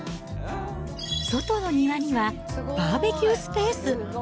外の庭には、バーベキュースペース。